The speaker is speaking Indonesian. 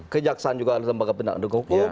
kejaksaan juga adalah lembaga penegak hukum